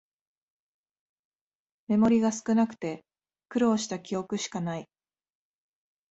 メモリが少なくて苦労した記憶しかない